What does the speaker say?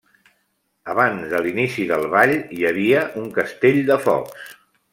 Abans de l'inici del ball hi havia un castell de focs.